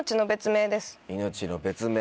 『命の別名』。